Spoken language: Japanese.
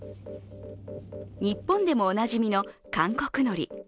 日本でもおなじみの、韓国のり。